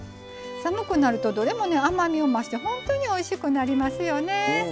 寒くなると、どれも甘みを増して本当においしくなりますよね。